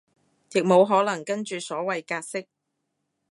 亦無可能跟住所謂格式